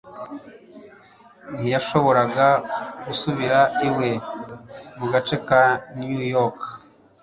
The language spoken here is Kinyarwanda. ntiyashoboraga gusubira iwe mu gace ka new york